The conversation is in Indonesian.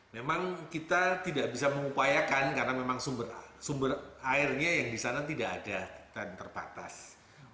memang kita tidak bisa mengupayakan karena memang sumber airnya yang di sana tidak ada dan terbatas